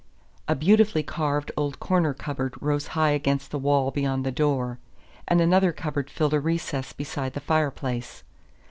A beautifully carved old corner cupboard rose high against the wall beyond the door, and another cupboard filled a recess beside the fireplace.